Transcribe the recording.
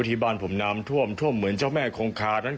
ที่บ้านผมน้ำท่วมท่วมเหมือนเจ้าแม่คงคานั้น